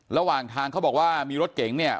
ระหว่างทางเขาบอกว่ามีรถเก๋งเนี่ย